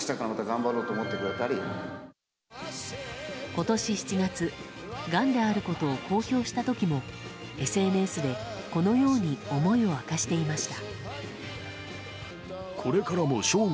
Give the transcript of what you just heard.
今年７月がんであることを公表した時もＳＮＳで、このように思いを明かしていました。